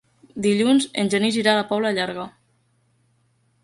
Dilluns en Genís irà a la Pobla Llarga.